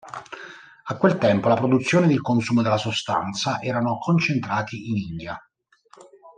A quel tempo la produzione ed il consumo della sostanza erano concentrati in India.